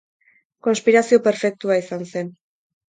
Konspirazio perfektua izan zen.